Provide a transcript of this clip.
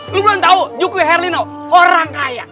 lu belum tahu yuki herlino orang kaya